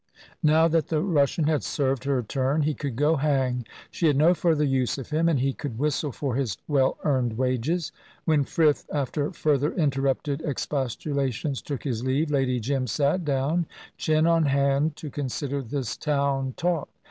Now that the Russian had served her turn he could go hang; she had no further use for him, and he could whistle for his well earned wages. When Frith, after further interrupted expostulations, took his leave, Lady Jim sat down, chin on hand, to consider this town talk.